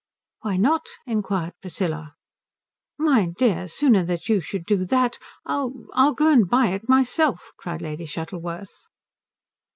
"Why not?" inquired Priscilla. "My dear, sooner than you should do that I'll I'll go and buy it myself," cried Lady Shuttleworth.